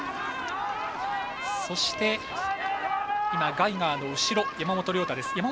そして、ガイガーの後ろ山本涼太です。